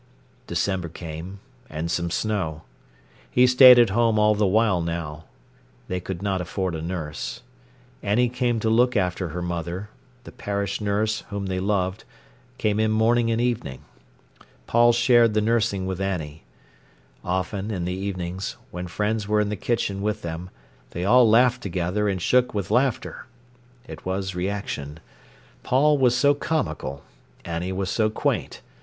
December came, and some snow. He stayed at home all the while now. They could not afford a nurse. Annie came to look after her mother; the parish nurse, whom they loved, came in morning and evening. Paul shared the nursing with Annie. Often, in the evenings, when friends were in the kitchen with them, they all laughed together and shook with laughter. It was reaction. Paul was so comical, Annie was so quaint.